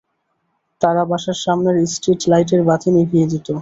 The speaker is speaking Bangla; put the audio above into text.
তারা বাসার সামনের স্ট্রীট লাইটের বাতি নিভিয়ে দিত।